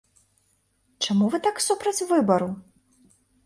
Чаму вы так супраць выбару?